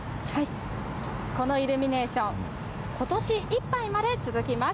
このイルミネーション、ことしいっぱいまで続きます。